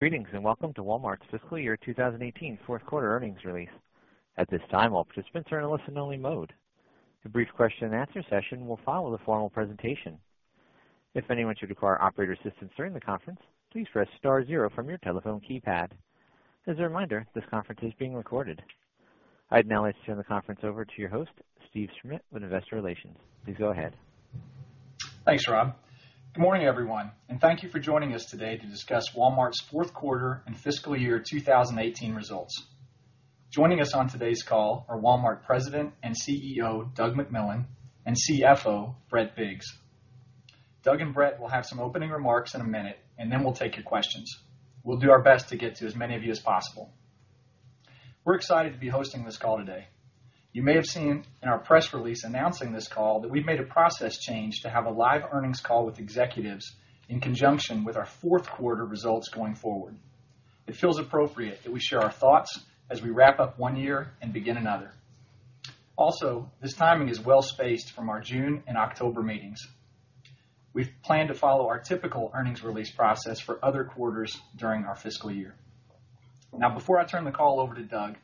Greetings, welcome to Walmart's fiscal year 2018 fourth quarter earnings release. At this time, all participants are in a listen-only mode. The brief question and answer session will follow the formal presentation. If anyone should require operator assistance during the conference, please press star zero from your telephone keypad. As a reminder, this conference is being recorded. I'd now like to turn the conference over to your host, Steve Schmitt, with Investor Relations. Please go ahead. Thanks, Bob. Good morning, everyone, thank you for joining us today to discuss Walmart's fourth quarter and fiscal year 2018 results. Joining us on today's call are Walmart President and CEO, Doug McMillon, and CFO, Brett Biggs. Doug and Brett will have some opening remarks in a minute. Then we'll take your questions. We'll do our best to get to as many of you as possible. We're excited to be hosting this call today. You may have seen in our press release announcing this call that we've made a process change to have a live earnings call with executives in conjunction with our fourth quarter results going forward. It feels appropriate that we share our thoughts as we wrap up one year and begin another. This timing is well-spaced from our June and October meetings. We've planned to follow our typical earnings release process for other quarters during our fiscal year. Before I turn the call over to Doug,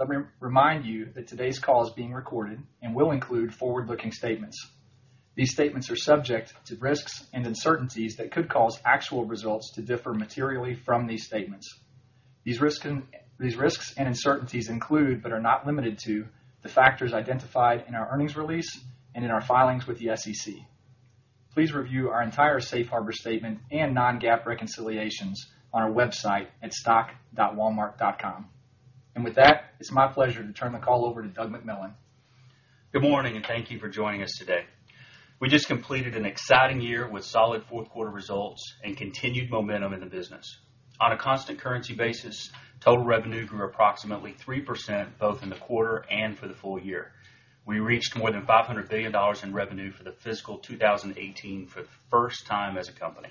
let me remind you that today's call is being recorded and will include forward-looking statements. These statements are subject to risks and uncertainties that could cause actual results to differ materially from these statements. These risks and uncertainties include, but are not limited to, the factors identified in our earnings release and in our filings with the SEC. Please review our entire safe harbor statement and non-GAAP reconciliations on our website at stock.walmart.com. With that, it's my pleasure to turn the call over to Doug McMillon. Good morning, thank you for joining us today. We just completed an exciting year with solid fourth quarter results and continued momentum in the business. On a constant currency basis, total revenue grew approximately 3% both in the quarter and for the full year. We reached more than $500 billion in revenue for the fiscal 2018 for the first time as a company.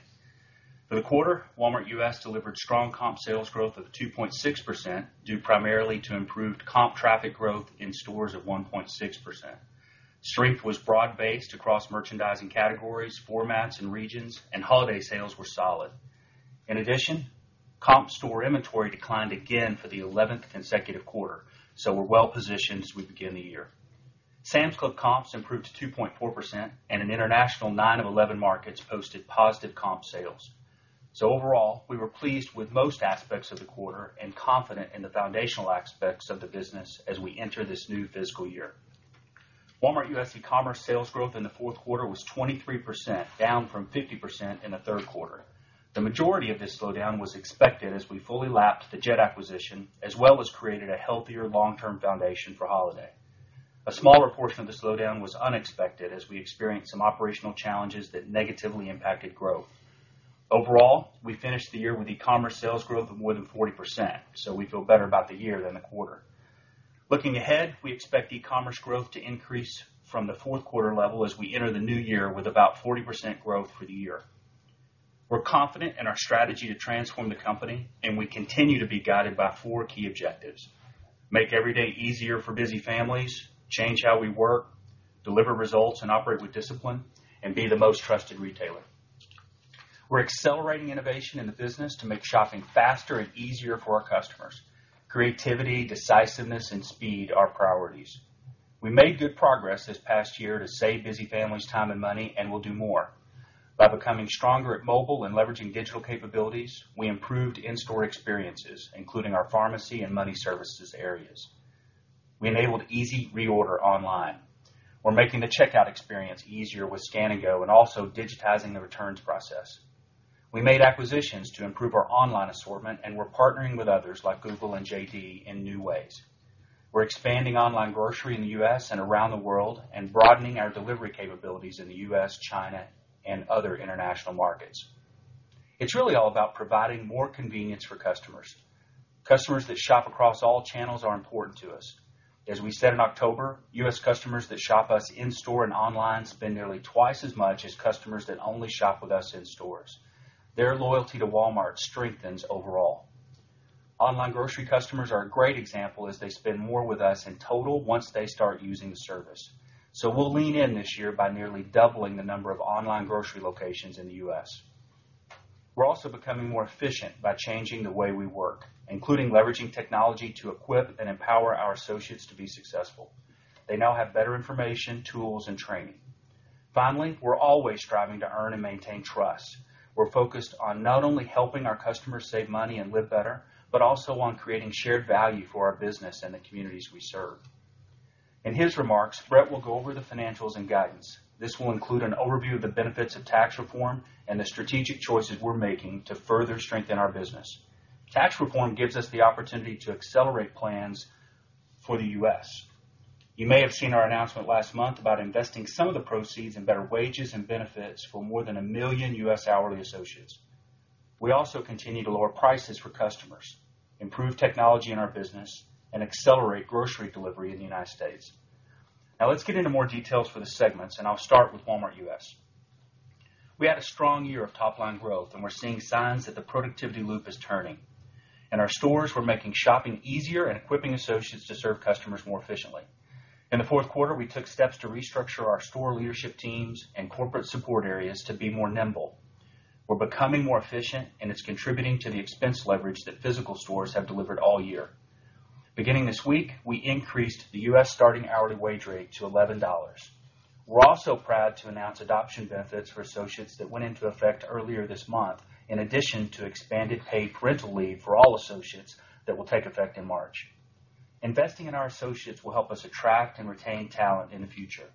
For the quarter, Walmart U.S. delivered strong comp sales growth of 2.6%, due primarily to improved comp traffic growth in stores of 1.6%. Strength was broad-based across merchandising categories, formats, and regions, and holiday sales were solid. In addition, comp store inventory declined again for the 11th consecutive quarter. We're well-positioned as we begin the year. Sam's Club comps improved to 2.4%. In international, 9 of 11 markets posted positive comp sales. Overall, we were pleased with most aspects of the quarter and confident in the foundational aspects of the business as we enter this new fiscal year. Walmart U.S. e-commerce sales growth in the fourth quarter was 23%, down from 50% in the third quarter. The majority of this slowdown was expected as we fully lapped the Jet acquisition, as well as created a healthier long-term foundation for holiday. A smaller portion of the slowdown was unexpected as we experienced some operational challenges that negatively impacted growth. Overall, we finished the year with e-commerce sales growth of more than 40%, so we feel better about the year than the quarter. Looking ahead, we expect e-commerce growth to increase from the fourth quarter level as we enter the new year with about 40% growth for the year. We're confident in our strategy to transform the company, and we continue to be guided by four key objectives: make every day easier for busy families, change how we work, deliver results, and operate with discipline, and be the most trusted retailer. We're accelerating innovation in the business to make shopping faster and easier for our customers. Creativity, decisiveness, and speed are priorities. We made good progress this past year to save busy families time and money, and we'll do more. By becoming stronger at mobile and leveraging digital capabilities, we improved in-store experiences, including our pharmacy and money services areas. We enabled easy reorder online. We're making the checkout experience easier with Scan & Go and also digitizing the returns process. We made acquisitions to improve our online assortment, and we're partnering with others like Google and JD in new ways. We're expanding online grocery in the U.S. and around the world and broadening our delivery capabilities in the U.S., China, and other international markets. It's really all about providing more convenience for customers. Customers that shop across all channels are important to us. As we said in October, U.S. customers that shop us in-store and online spend nearly twice as much as customers that only shop with us in stores. Their loyalty to Walmart strengthens overall. Online grocery customers are a great example as they spend more with us in total once they start using the service. We'll lean in this year by nearly doubling the number of online grocery locations in the U.S. We're also becoming more efficient by changing the way we work, including leveraging technology to equip and empower our associates to be successful. They now have better information, tools, and training. Finally, we're always striving to earn and maintain trust. We're focused on not only helping our customers save money and live better, but also on creating shared value for our business and the communities we serve. In his remarks, Brett will go over the financials and guidance. This will include an overview of the benefits of tax reform and the strategic choices we're making to further strengthen our business. Tax reform gives us the opportunity to accelerate plans for the U.S. You may have seen our announcement last month about investing some of the proceeds in better wages and benefits for more than 1 million U.S. hourly associates. We also continue to lower prices for customers, improve technology in our business, and accelerate grocery delivery in the United States. Now, let's get into more details for the segments, and I'll start with Walmart U.S. We had a strong year of top-line growth. We're seeing signs that the productivity loop is turning. Our stores were making shopping easier and equipping associates to serve customers more efficiently. In the fourth quarter, we took steps to restructure our store leadership teams and corporate support areas to be more nimble. We're becoming more efficient, and it's contributing to the expense leverage that physical stores have delivered all year. Beginning this week, we increased the U.S. starting hourly wage rate to $11. We're also proud to announce adoption benefits for associates that went into effect earlier this month, in addition to expanded paid parental leave for all associates that will take effect in March. Investing in our associates will help us attract and retain talent in the future.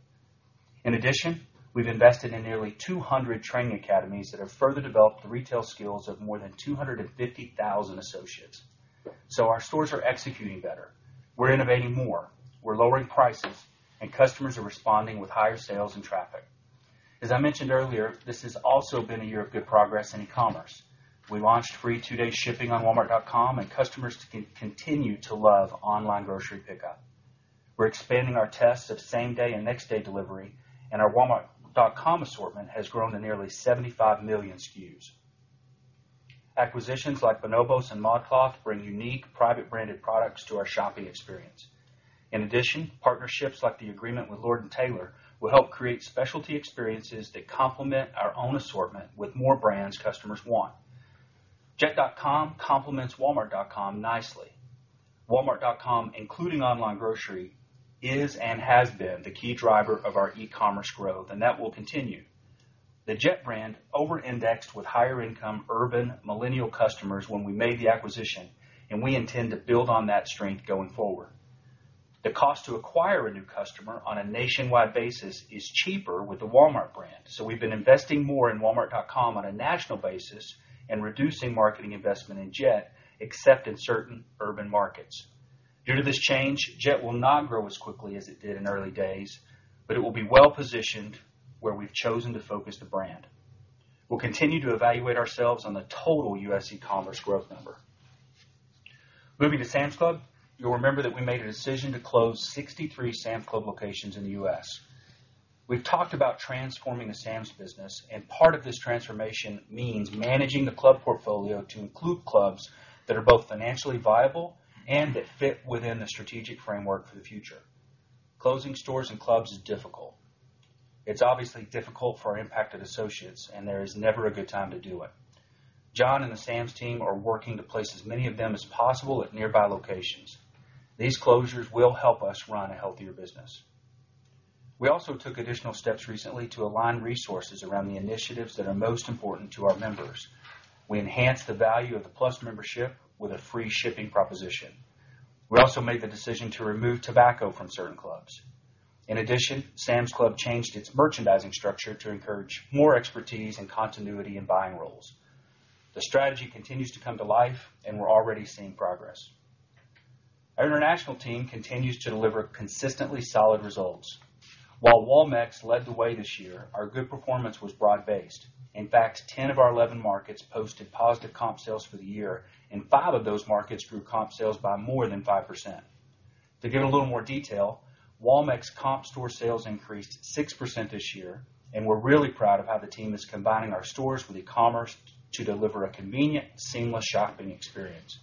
In addition, we've invested in nearly 200 training academies that have further developed the retail skills of more than 250,000 associates. Our stores are executing better. We're innovating more. We're lowering prices, and customers are responding with higher sales and traffic. As I mentioned earlier, this has also been a year of good progress in e-commerce. We launched free two-day shipping on walmart.com, and customers continue to love online grocery pickup. We're expanding our tests of same-day and next-day delivery, and our walmart.com assortment has grown to nearly 75 million SKUs. Acquisitions like Bonobos and ModCloth bring unique private-branded products to our shopping experience. In addition, partnerships like the agreement with Lord & Taylor will help create specialty experiences that complement our own assortment with more brands customers want. Jet.com complements walmart.com nicely. Walmart.com, including online grocery, is and has been the key driver of our e-commerce growth. That will continue. The Jet brand over-indexed with higher-income, urban, millennial customers when we made the acquisition, and we intend to build on that strength going forward. The cost to acquire a new customer on a nationwide basis is cheaper with the Walmart brand, so we've been investing more in walmart.com on a national basis and reducing marketing investment in Jet, except in certain urban markets. Due to this change, Jet will not grow as quickly as it did in the early days, but it will be well-positioned where we've chosen to focus the brand. We'll continue to evaluate ourselves on the total U.S. e-commerce growth number. Moving to Sam's Club, you'll remember that we made a decision to close 63 Sam's Club locations in the U.S. We've talked about transforming the Sam's business. Part of this transformation means managing the club portfolio to include clubs that are both financially viable and that fit within the strategic framework for the future. Closing stores and clubs is difficult. It's obviously difficult for our impacted associates, and there is never a good time to do it. John and the Sam's team are working to place as many of them as possible at nearby locations. These closures will help us run a healthier business. We also took additional steps recently to align resources around the initiatives that are most important to our members. We enhanced the value of the Plus membership with a free shipping proposition. We also made the decision to remove tobacco from certain clubs. In addition, Sam's Club changed its merchandising structure to encourage more expertise and continuity in buying roles. The strategy continues to come to life, and we're already seeing progress. Our international team continues to deliver consistently solid results. While Walmex led the way this year, our good performance was broad-based. In fact, 10 of our 11 markets posted positive comp sales for the year, and five of those markets grew comp sales by more than 5%. To give a little more detail, Walmex comp store sales increased 6% this year, and we're really proud of how the team is combining our stores with e-commerce to deliver a convenient, seamless shopping experience.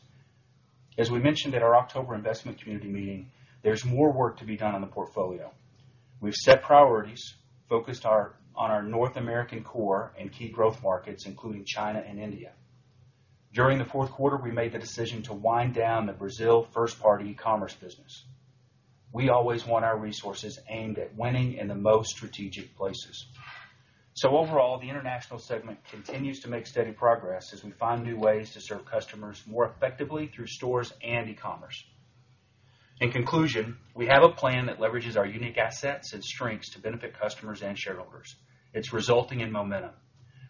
As we mentioned at our October investment community meeting, there's more work to be done on the portfolio. We've set priorities, focused on our North American core and key growth markets, including China and India. During the fourth quarter, we made the decision to wind down the Brazil first-party e-commerce business. We always want our resources aimed at winning in the most strategic places. Overall, the international segment continues to make steady progress as we find new ways to serve customers more effectively through stores and e-commerce. In conclusion, we have a plan that leverages our unique assets and strengths to benefit customers and shareholders. It's resulting in momentum.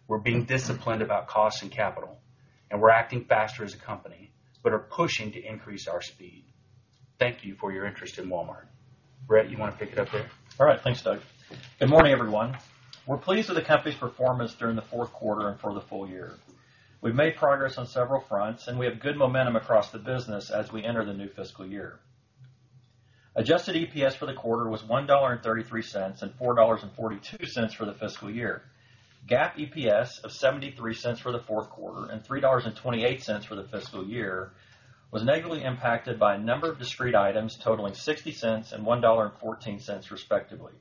We're being disciplined about cost and capital. We're acting faster as a company but are pushing to increase our speed. Thank you for your interest in Walmart. Brett, you want to pick it up here? All right. Thanks, Doug. Good morning, everyone. We're pleased with the company's performance during the fourth quarter and for the full year. We've made progress on several fronts, and we have good momentum across the business as we enter the new fiscal year. Adjusted EPS for the quarter was $1.33 and $4.42 for the fiscal year. GAAP EPS of $0.73 for the fourth quarter and $3.28 for the fiscal year was negatively impacted by a number of discrete items totaling $0.60 and $1.14, respectively.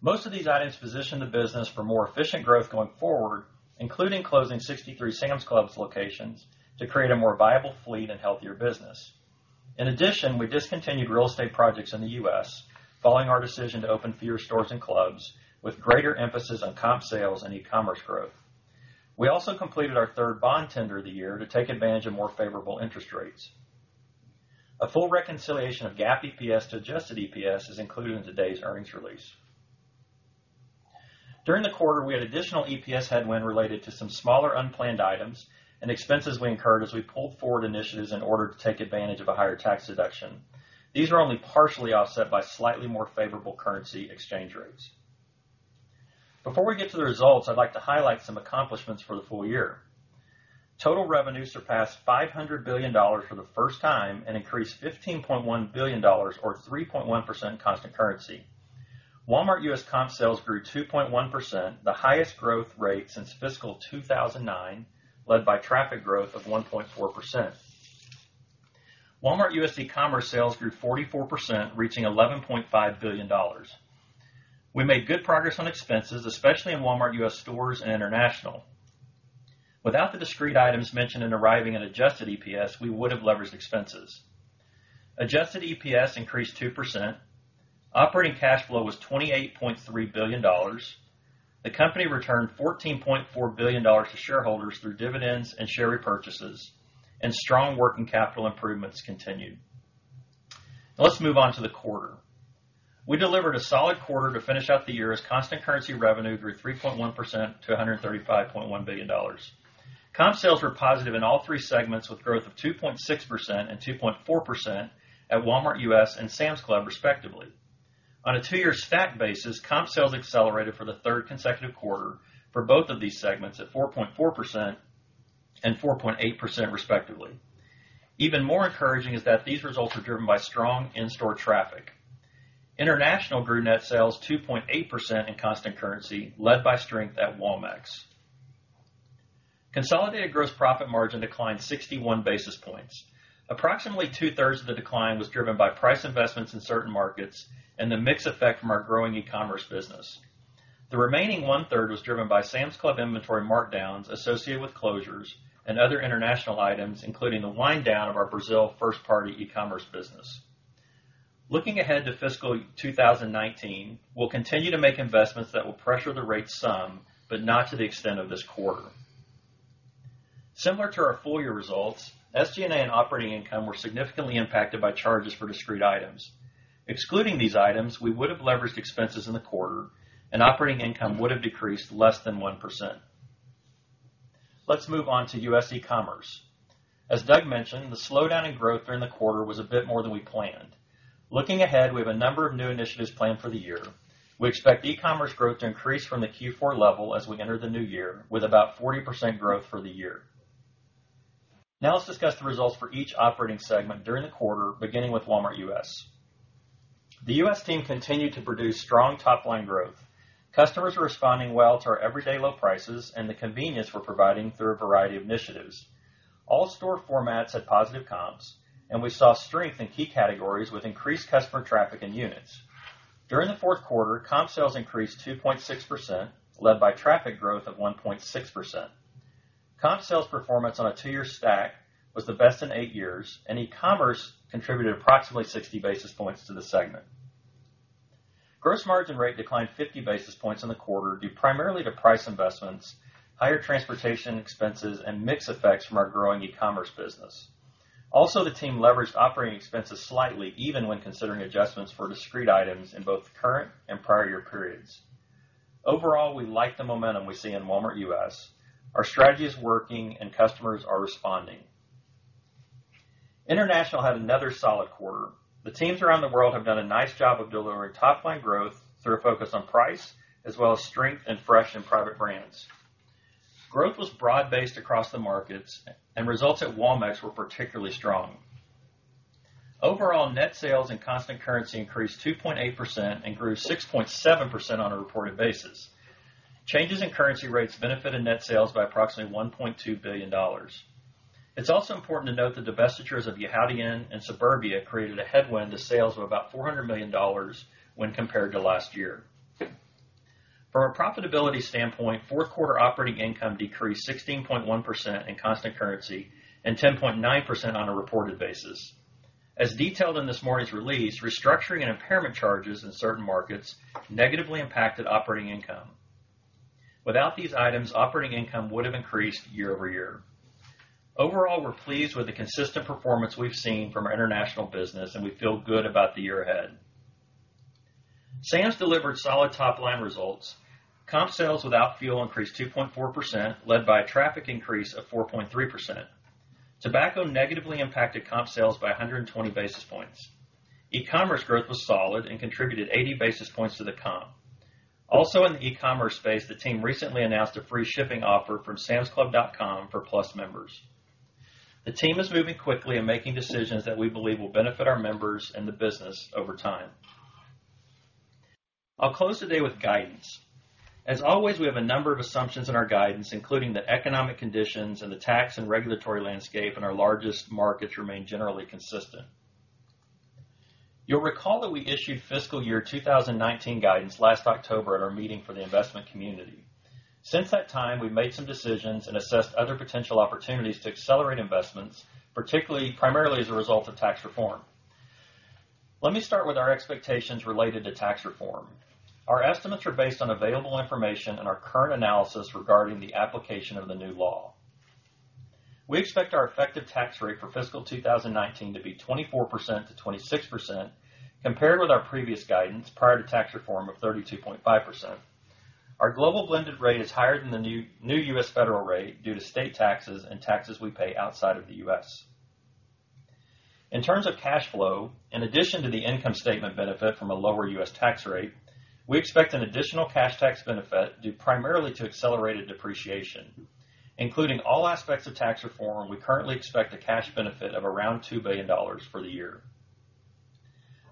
Most of these items position the business for more efficient growth going forward, including closing 63 Sam's Club locations to create a more viable fleet and healthier business. In addition, we discontinued real estate projects in the U.S., following our decision to open fewer stores and clubs, with greater emphasis on comp sales and e-commerce growth. We also completed our third bond tender of the year to take advantage of more favorable interest rates. A full reconciliation of GAAP EPS to adjusted EPS is included in today's earnings release. During the quarter, we had additional EPS headwind related to some smaller unplanned items and expenses we incurred as we pulled forward initiatives in order to take advantage of a higher tax deduction. These were only partially offset by slightly more favorable currency exchange rates. Before we get to the results, I'd like to highlight some accomplishments for the full year. Total revenue surpassed $500 billion for the first time and increased $15.1 billion or 3.1% constant currency. Walmart U.S. comp sales grew 2.1%, the highest growth rate since fiscal 2009, led by traffic growth of 1.4%. Walmart U.S. e-commerce sales grew 44%, reaching $11.5 billion. We made good progress on expenses, especially in Walmart U.S. stores and international. Without the discrete items mentioned in arriving at adjusted EPS, we would have leveraged expenses. Adjusted EPS increased 2%. Operating cash flow was $28.3 billion. The company returned $14.4 billion to shareholders through dividends and share repurchases, and strong working capital improvements continued. Now let's move on to the quarter. We delivered a solid quarter to finish out the year as constant currency revenue grew 3.1% to $135.1 billion. Comp sales were positive in all three segments, with growth of 2.6% and 2.4% at Walmart U.S. and Sam's Club, respectively. On a two-year stack basis, comp sales accelerated for the third consecutive quarter for both of these segments at 4.4% and 4.8%, respectively. Even more encouraging is that these results are driven by strong in-store traffic. International grew net sales 2.8% in constant currency, led by strength at Walmex. Consolidated gross profit margin declined 61 basis points. Approximately two-thirds of the decline was driven by price investments in certain markets and the mix effect from our growing e-commerce business. The remaining one-third was driven by Sam's Club inventory markdowns associated with closures and other international items, including the wind-down of our Brazil first-party e-commerce business. Looking ahead to fiscal 2019, we'll continue to make investments that will pressure the rate some, but not to the extent of this quarter. Similar to our full-year results, SG&A and operating income were significantly impacted by charges for discrete items. Excluding these items, we would have leveraged expenses in the quarter and operating income would have decreased less than 1%. Let's move on to U.S. e-commerce. As Doug mentioned, the slowdown in growth during the quarter was a bit more than we planned. Looking ahead, we have a number of new initiatives planned for the year. We expect e-commerce growth to increase from the Q4 level as we enter the new year, with about 40% growth for the year. Now let's discuss the results for each operating segment during the quarter, beginning with Walmart U.S. The U.S. team continued to produce strong top-line growth. Customers are responding well to our everyday low prices and the convenience we're providing through a variety of initiatives. All store formats had positive comps, and we saw strength in key categories with increased customer traffic and units. During the fourth quarter, comp sales increased 2.6%, led by traffic growth of 1.6%. Comp sales performance on a two-year stack was the best in eight years, and e-commerce contributed approximately 60 basis points to the segment. Gross margin rate declined 50 basis points in the quarter due primarily to price investments, higher transportation expenses, and mix effects from our growing e-commerce business. Also, the team leveraged operating expenses slightly even when considering adjustments for discrete items in both the current and prior-year periods. Overall, we like the momentum we see in Walmart U.S. Our strategy is working and customers are responding. International had another solid quarter. The teams around the world have done a nice job of delivering top-line growth through a focus on price as well as strength in fresh and private brands. Growth was broad-based across the markets and results at Walmex were particularly strong. Overall, net sales and constant currency increased 2.8% and grew 6.7% on a reported basis. Changes in currency rates benefited net sales by approximately $1.2 billion. It's also important to note the divestitures of Yihaodian and Suburbia created a headwind to sales of about $400 million when compared to last year. From a profitability standpoint, fourth quarter operating income decreased 16.1% in constant currency and 10.9% on a reported basis. As detailed in this morning's release, restructuring and impairment charges in certain markets negatively impacted operating income. Without these items, operating income would have increased year-over-year. Overall, we're pleased with the consistent performance we've seen from our international business, and we feel good about the year ahead. Sam's delivered solid top-line results. Comp sales without fuel increased 2.4%, led by a traffic increase of 4.3%. Tobacco negatively impacted comp sales by 120 basis points. E-commerce growth was solid and contributed 80 basis points to the comp. Also in the e-commerce space, the team recently announced a free shipping offer from samsclub.com for Plus members. The team is moving quickly and making decisions that we believe will benefit our members and the business over time. I'll close today with guidance. As always, we have a number of assumptions in our guidance, including the economic conditions and the tax and regulatory landscape in our largest markets remain generally consistent. You'll recall that we issued FY 2019 guidance last October at our meeting for the investment community. Since that time, we've made some decisions and assessed other potential opportunities to accelerate investments, primarily as a result of tax reform. Let me start with our expectations related to tax reform. Our estimates are based on available information and our current analysis regarding the application of the new law. We expect our effective tax rate for FY 2019 to be 24%-26%, compared with our previous guidance prior to tax reform of 32.5%. Our global blended rate is higher than the new U.S. federal rate due to state taxes and taxes we pay outside of the U.S. In terms of cash flow, in addition to the income statement benefit from a lower U.S. tax rate, we expect an additional cash tax benefit due primarily to accelerated depreciation. Including all aspects of tax reform, we currently expect a cash benefit of around $2 billion for the year.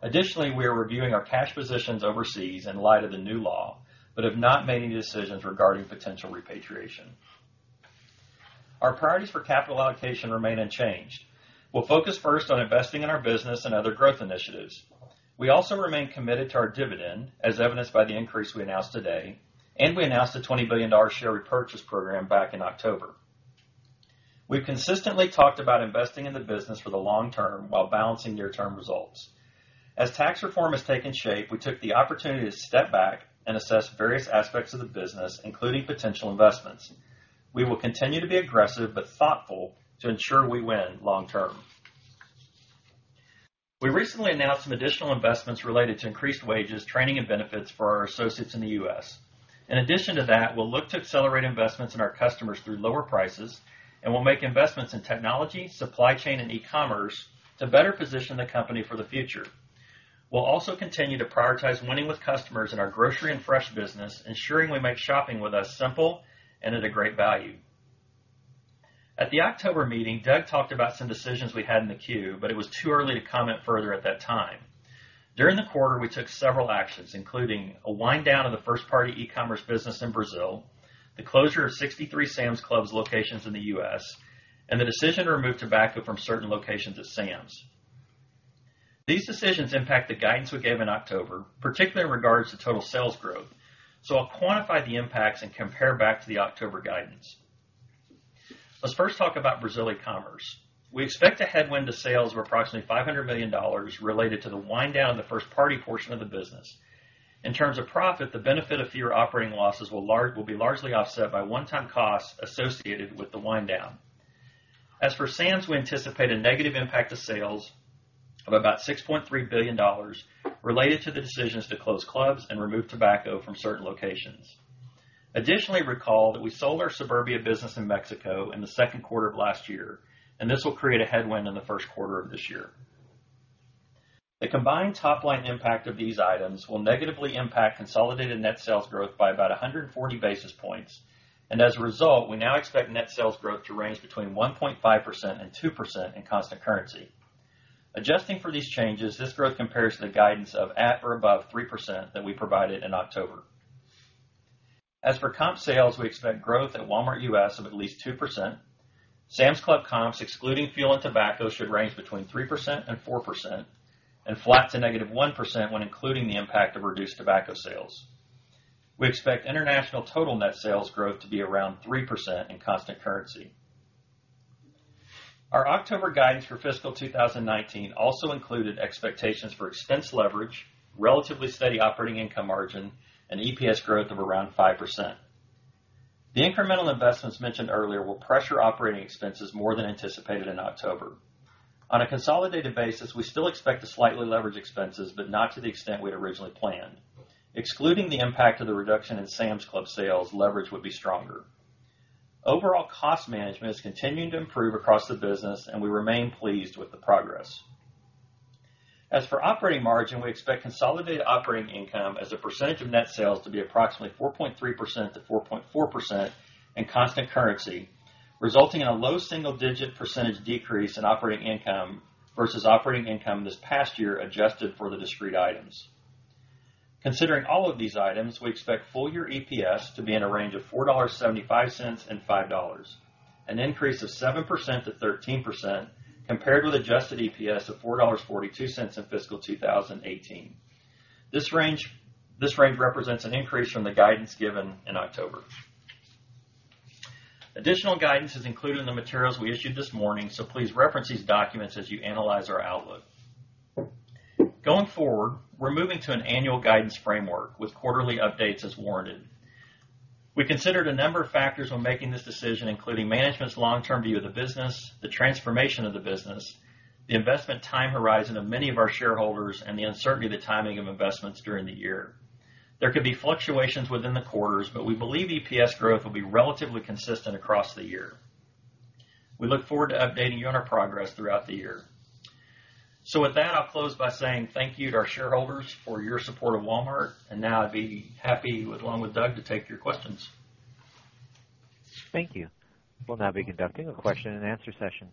Additionally, we are reviewing our cash positions overseas in light of the new law, but have not made any decisions regarding potential repatriation. Our priorities for capital allocation remain unchanged. We'll focus first on investing in our business and other growth initiatives. We also remain committed to our dividend, as evidenced by the increase we announced today. We announced a $20 billion share repurchase program back in October. We've consistently talked about investing in the business for the long term while balancing near-term results. As tax reform has taken shape, we took the opportunity to step back and assess various aspects of the business, including potential investments. We will continue to be aggressive, but thoughtful to ensure we win long-term. We recently announced some additional investments related to increased wages, training, and benefits for our associates in the U.S. In addition to that, we'll look to accelerate investments in our customers through lower prices, and we'll make investments in technology, supply chain, and e-commerce to better position the company for the future. We'll also continue to prioritize winning with customers in our grocery and fresh business, ensuring we make shopping with us simple and at a great value. At the October meeting, Doug talked about some decisions we had in the queue, but it was too early to comment further at that time. During the quarter, we took several actions, including a wind down of the first-party e-commerce business in Brazil, the closure of 63 Sam's Club locations in the U.S., and the decision to remove tobacco from certain locations at Sam's. These decisions impact the guidance we gave in October, particularly in regards to total sales growth. I'll quantify the impacts and compare back to the October guidance. Let's first talk about Brazil e-commerce. We expect a headwind to sales of approximately $500 million related to the wind down the first-party portion of the business. In terms of profit, the benefit of fewer operating losses will be largely offset by one-time costs associated with the wind down. As for Sam's, we anticipate a negative impact to sales of about $6.3 billion related to the decisions to close clubs and remove tobacco from certain locations. Additionally, recall that we sold our Suburbia business in Mexico in the second quarter of last year. This will create a headwind in the first quarter of this year. The combined top-line impact of these items will negatively impact consolidated net sales growth by about 140 basis points. As a result, we now expect net sales growth to range between 1.5%-2% in constant currency. Adjusting for these changes, this growth compares to the guidance of at or above 3% that we provided in October. As for comp sales, we expect growth at Walmart U.S. of at least 2%. Sam's Club comps excluding fuel and tobacco should range between 3%-4%, and flat to -1% when including the impact of reduced tobacco sales. We expect international total net sales growth to be around 3% in constant currency. Our October guidance for fiscal 2019 also included expectations for expense leverage, relatively steady operating income margin, and EPS growth of around 5%. The incremental investments mentioned earlier will pressure operating expenses more than anticipated in October. On a consolidated basis, we still expect to slightly leverage expenses, not to the extent we had originally planned. Excluding the impact of the reduction in Sam's Club sales, leverage would be stronger. Overall cost management is continuing to improve across the business. We remain pleased with the progress. As for operating margin, we expect consolidated operating income as a percentage of net sales to be approximately 4.3%-4.4% in constant currency, resulting in a low single-digit percentage decrease in operating income versus operating income this past year, adjusted for the discrete items. Considering all of these items, we expect full-year EPS to be in a range of $4.75-$5, an increase of 7%-13% compared with adjusted EPS of $4.42 in fiscal 2018. This range represents an increase from the guidance given in October. Additional guidance is included in the materials we issued this morning. Please reference these documents as you analyze our outlook. Going forward, we're moving to an annual guidance framework with quarterly updates as warranted. We considered a number of factors when making this decision, including management's long-term view of the business, the transformation of the business, the investment time horizon of many of our shareholders, and the uncertainty of the timing of investments during the year. There could be fluctuations within the quarters, but we believe EPS growth will be relatively consistent across the year. We look forward to updating you on our progress throughout the year. With that, I'll close by saying thank you to our shareholders for your support of Walmart, and now I'd be happy, along with Doug, to take your questions. Thank you. We'll now be conducting a question and answer session.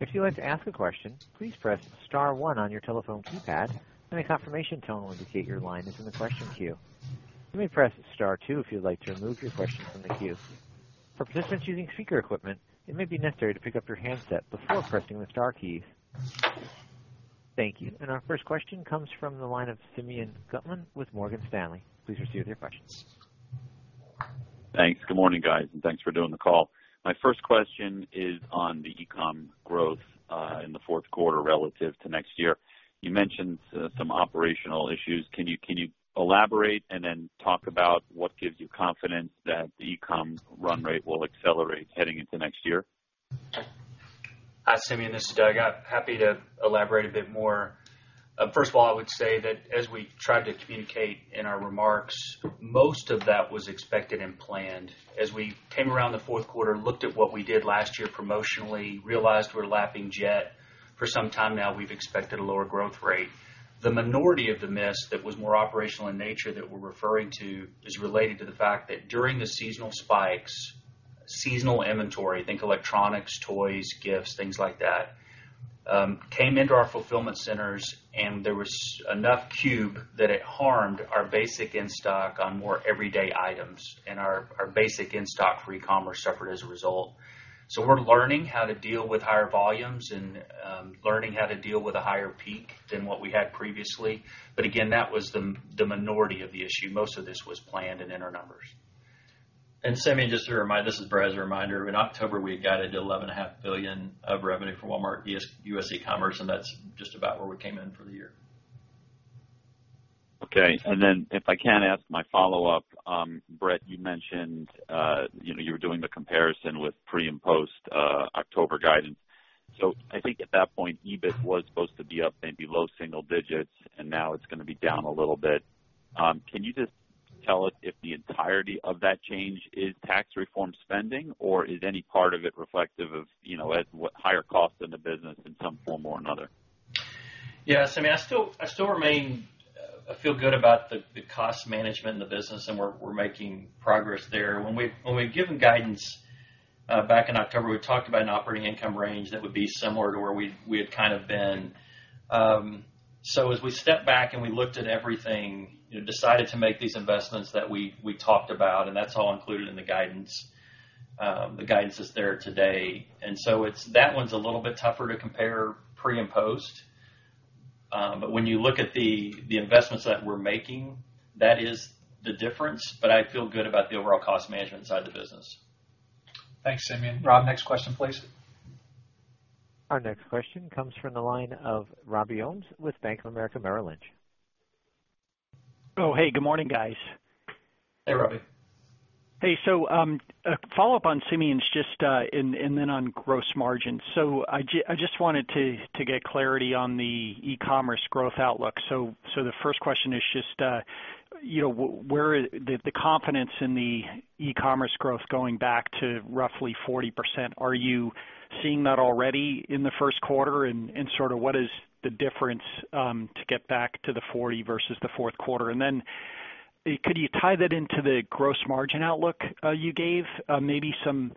If you'd like to ask a question, please press *1 on your telephone keypad and a confirmation tone will indicate your line is in the question queue. You may press *2 if you'd like to remove your question from the queue. For participants using speaker equipment, it may be necessary to pick up your handset before pressing the star key. Thank you. Our first question comes from the line of Simeon Gutman with Morgan Stanley. Please proceed with your questions. Thanks. Good morning, guys, thanks for doing the call. My first question is on the e-com growth in the fourth quarter relative to next year. You mentioned some operational issues. Can you elaborate and then talk about what gives you confidence that the e-com run rate will accelerate heading into next year? Hi, Simeon, this is Doug. Happy to elaborate a bit more. First of all, I would say that as we tried to communicate in our remarks, most of that was expected and planned. As we came around the fourth quarter and looked at what we did last year promotionally, realized we're lapping Jet for some time now, we've expected a lower growth rate. The minority of the miss that was more operational in nature that we're referring to is related to the fact that during the seasonal spikes Seasonal inventory, think electronics, toys, gifts, things like that, came into our fulfillment centers, and there was enough cube that it harmed our basic in-stock on more everyday items. Our basic in-stock for e-commerce suffered as a result. We're learning how to deal with higher volumes and learning how to deal with a higher peak than what we had previously. Again, that was the minority of the issue. Most of this was planned and in our numbers. Simeon, just as a reminder, this is Brett, as a reminder, in October, we had guided $11.5 billion of revenue for Walmart U.S. e-commerce, and that's just about where we came in for the year. Okay. Then if I can ask my follow-up, Brett, you mentioned you were doing the comparison with pre and post October guidance. So I think at that point, EBIT was supposed to be up maybe low single digits, and now it's going to be down a little bit. Can you just tell us if the entirety of that change is tax reform spending, or is any part of it reflective of higher costs in the business in some form or another? Yeah, Simeon, I feel good about the cost management in the business and we're making progress there. When we had given guidance back in October, we talked about an operating income range that would be similar to where we had kind of been. As we stepped back and we looked at everything, decided to make these investments that we talked about, and that's all included in the guidance. The guidance is there today. So that one's a little bit tougher to compare pre and post. When you look at the investments that we're making, that is the difference. I feel good about the overall cost management side of the business. Thanks, Simeon. Rob, next question, please. Our next question comes from the line of Robbie Ohmes with Bank of America Merrill Lynch. Oh, hey, good morning, guys. Hey, Robbie. Hey, a follow-up on Simeon's and then on gross margin. I just wanted to get clarity on the e-commerce growth outlook. The first question is just the confidence in the e-commerce growth going back to roughly 40%. Are you seeing that already in the first quarter and sort of what is the difference to get back to the 40% versus the fourth quarter? Could you tie that into the gross margin outlook you gave? Maybe some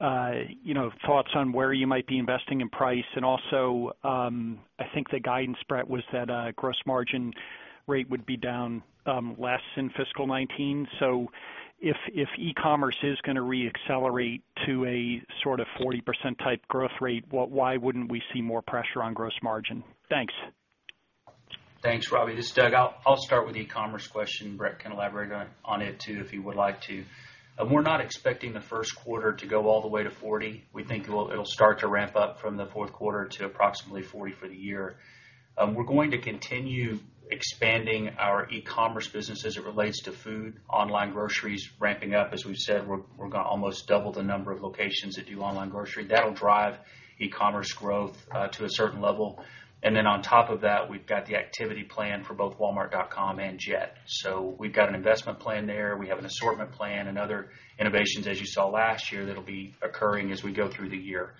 thoughts on where you might be investing in price. Also, I think the guidance, Brett, was that gross margin rate would be down less in fiscal 2019. If e-commerce is going to re-accelerate to a sort of 40% type growth rate, why wouldn't we see more pressure on gross margin? Thanks. Thanks, Robbie. This is Doug. I'll start with the e-commerce question. Brett can elaborate on it too, if he would like to. We're not expecting the first quarter to go all the way to 40%. We think it'll start to ramp up from the fourth quarter to approximately 40% for the year. We're going to continue expanding our e-commerce business as it relates to food, online groceries ramping up. As we've said, we're going to almost double the number of locations that do online grocery. That'll drive e-commerce growth to a certain level. On top of that, we've got the activity plan for both walmart.com and jet.com. We've got an investment plan there. We have an assortment plan and other innovations, as you saw last year, that'll be occurring as we go through the year.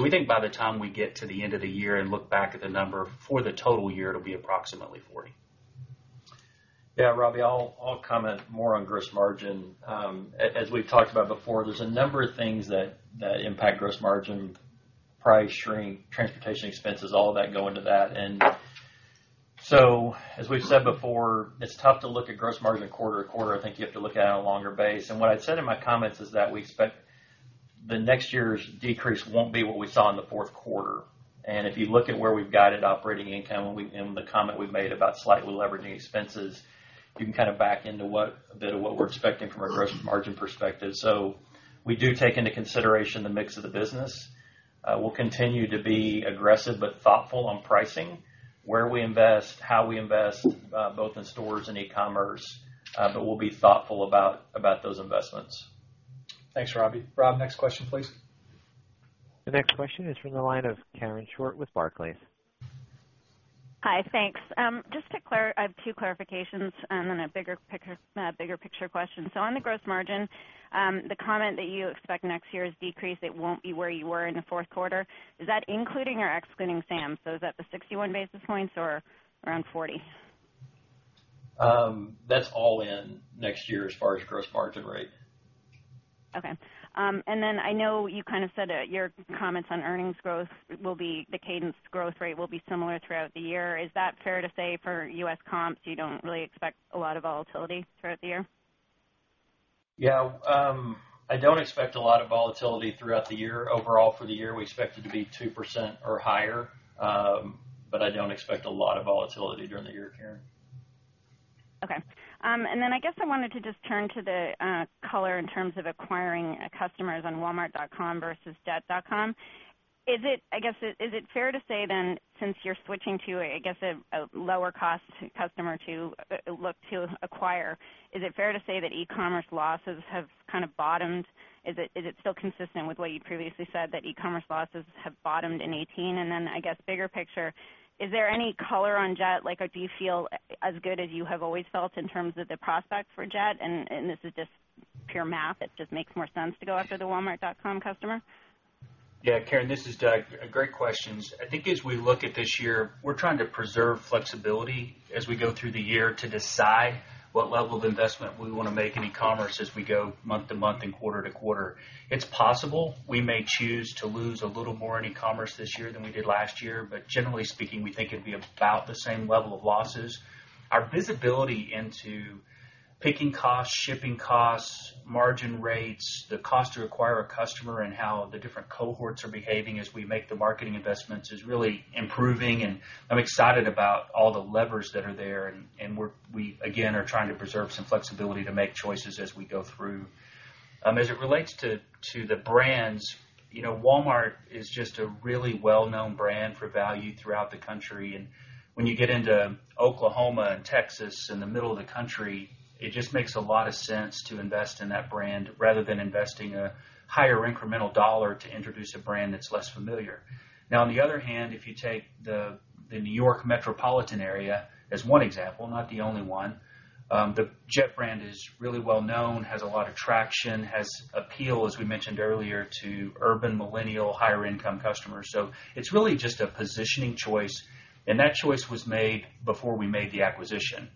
We think by the time we get to the end of the year and look back at the number for the total year, it'll be approximately 40%. Yeah, Robbie, I'll comment more on gross margin. As we've talked about before, there's a number of things that impact gross margin, price, shrink, transportation expenses, all of that go into that. As we've said before, it's tough to look at gross margin quarter-to-quarter. I think you have to look at it on a longer base. What I'd said in my comments is that we expect the next year's decrease won't be what we saw in the fourth quarter. If you look at where we've guided operating income and the comment we've made about slightly levering expenses, you can kind of back into a bit of what we're expecting from a gross margin perspective. We do take into consideration the mix of the business. We'll continue to be aggressive but thoughtful on pricing, where we invest, how we invest, both in stores and e-commerce, but we'll be thoughtful about those investments. Thanks, Robbie. Rob, next question, please. The next question is from the line of Karen Short with Barclays. Hi. Thanks. I have two clarifications and then a bigger picture question. On the gross margin, the comment that you expect next year is decrease, it won't be where you were in the fourth quarter. Is that including or excluding Sam's? Is that the 61 basis points or around 40? That's all in next year as far as gross margin rate. Okay. Then I know you kind of said that your comments on earnings growth will be the cadence growth rate will be similar throughout the year. Is that fair to say for U.S. comps, you don't really expect a lot of volatility throughout the year? Yeah. I don't expect a lot of volatility throughout the year. Overall for the year, we expect it to be 2% or higher. I don't expect a lot of volatility during the year, Karen. Okay. Then I guess I wanted to just turn to the color in terms of acquiring customers on walmart.com versus jet.com. Is it fair to say then, since you're switching to, I guess, a lower cost customer to look to acquire, is it fair to say that e-commerce losses have kind of bottomed? Is it still consistent with what you previously said that e-commerce losses have bottomed in 2018? Then I guess bigger picture, is there any color on Jet.com? Do you feel as good as you have always felt in terms of the prospects for Jet.com, and this is just pure math, it just makes more sense to go after the walmart.com customer? Yeah, Karen, this is Doug. Great questions. I think as we look at this year, we're trying to preserve flexibility as we go through the year to decide what level of investment we want to make in e-commerce as we go month to month and quarter to quarter. It's possible we may choose to lose a little more in e-commerce this year than we did last year, but generally speaking, we think it'd be about the same level of losses. Our visibility into picking costs, shipping costs, margin rates, the cost to acquire a customer, and how the different cohorts are behaving as we make the marketing investments is really improving, and I'm excited about all the levers that are there. We, again, are trying to preserve some flexibility to make choices as we go through. As it relates to the brands, Walmart is just a really well-known brand for value throughout the country. When you get into Oklahoma and Texas in the middle of the country, it just makes a lot of sense to invest in that brand rather than investing a higher incremental dollar to introduce a brand that's less familiar. Now, on the other hand, if you take the New York metropolitan area as one example, not the only one, the Jet.com brand is really well-known, has a lot of traction, has appeal, as we mentioned earlier, to urban millennial, higher income customers. It's really just a positioning choice, and that choice was made before we made the acquisition.